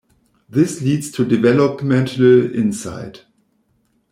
This leads to developmental insight.